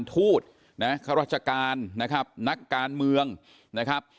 ทูตนะข้าราชการนะครับนักการเมืองนะครับ